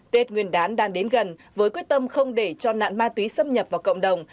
tết nguyên đán đang đến gần với quyết tâm không để cho nạn ma túy xâm nhập vào cộng đồng